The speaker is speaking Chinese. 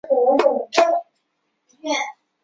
应神天皇赐姓太秦氏。